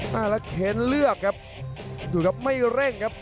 แล้วเค้นเลือกครับดูครับไม่เร่งครับ